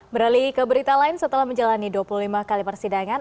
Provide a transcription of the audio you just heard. beralih ke berita lain setelah menjalani dua puluh lima kali persidangan